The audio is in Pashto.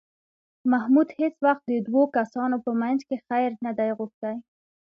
محمود هېڅ وخت د دوو کسانو په منځ کې خیر نه دی غوښتی